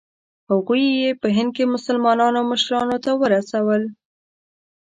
هغوی یې په هند کې مسلمانانو مشرانو ته ورسول.